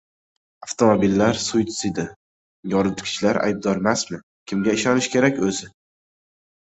Avtomobillar «suitsidi»: yoritgichlar aybdormasmi? Kimga ishonish kerak o‘zi?